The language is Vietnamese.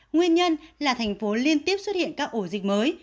nguyên nhân là thành phố liên tiếp xuất hiện các ổ dịch mới